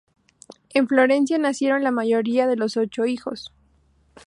En Florencia nacieron la mayoría de los ocho hijos.